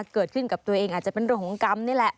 เกิดขึ้นกับตัวเองอาจจะเป็นเรื่องของกรรมนี่แหละ